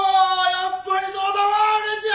やっぱりそうだうれしい！